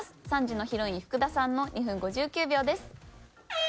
３時のヒロイン福田さんの２分５９秒です。